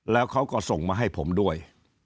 แล้วเขาก็ส่งมาให้ผมด้วย